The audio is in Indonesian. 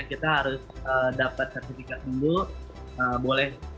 kita harus dapat sertifikat dulu boleh